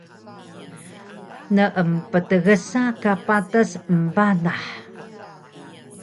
Nemptgsa ka patas embanah